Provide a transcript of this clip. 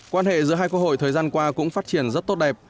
quan hệ giữa hai quốc hội thời gian qua cũng phát triển rất tốt đẹp